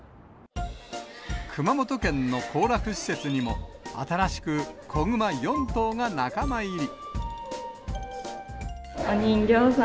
熊本県の行楽施設にも、新しく子熊４頭が仲間入り。